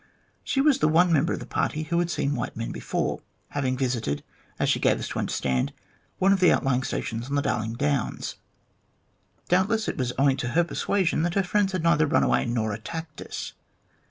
She was the one member of the party who had seen white men before, having visited, as she gave us to understand, one of the outlying stations on the Darling Downs. Doubtless it was owing to her persuasion that her friends had neither run away nor attacked us.